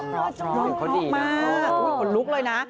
ร้องมากฮูยคนลุกเลยนะ